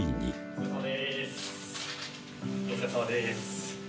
お疲れさまです。